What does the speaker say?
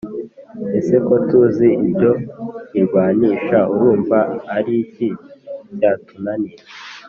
ese ko tuzi ibyo irwanisha ,urumva ariki cyatunanira